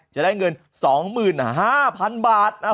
จะได้เงิน๒๕๐๐๐บาท